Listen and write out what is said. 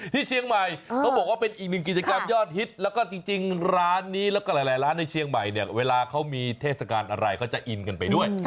ที่เชียงใหม่เขาบอกว่าเป็นอีกหนึ่งกิจกรรมยอดฮิตแล้วก็จริงร้านนี้แล้วก็หลายร้านในเชียงใหม่เนี่ยเวลาเขามีเทศกาลอะไรก็จะอินกันไปด้วย